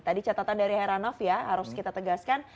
tadi catatan dari heranov ya harus kita tegaskan